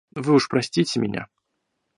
Вы уж простите меня.